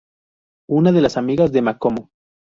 Una de las amigas de Momoko.